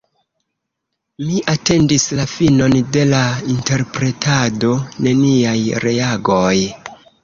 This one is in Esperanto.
Mi atendis la finon de la interpretado: neniaj reagoj!